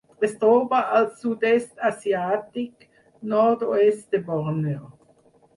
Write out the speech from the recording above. Es troba al Sud-est asiàtic: nord-oest de Borneo.